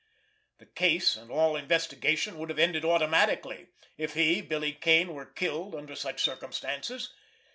The case and all investigation would have ended automatically if he, Billy Kane were killed under such circumstances.